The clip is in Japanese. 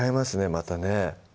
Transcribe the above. またね